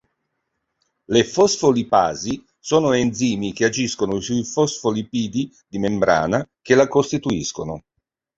Le "fosfolipasi", sono enzimi che agiscono sui fosfolipidi di membrana che la costituiscono.